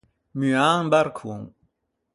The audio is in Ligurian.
Muâ un barcon.